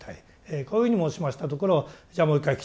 こういうふうに申しましたところじゃあもう一回来てみなさいって。